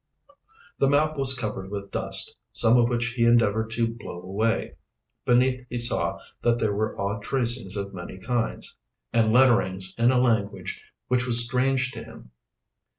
The map was covered with dust, some of which he endeavored to blow away. Beneath he saw that there were odd tracings of many kinds, and lettering's in a language which was strange to him.